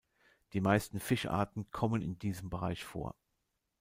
Die meisten Fischarten kommen in diesem Bereich vor.